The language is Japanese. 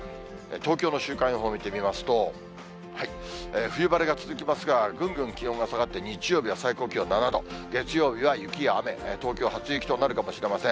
東京の週間予報見てみますと、冬晴れが続きますが、ぐんぐん気温が下がって、日曜日は最高気温７度、月曜日は雪や雨、東京は初雪となるかもしれません。